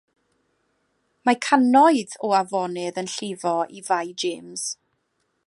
Mae cannoedd o afonydd yn llifo i Fae James.